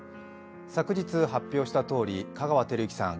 昨日発表したとおり、香川照之さん